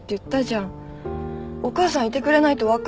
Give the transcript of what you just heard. お母さんいてくれないと分かんないよ。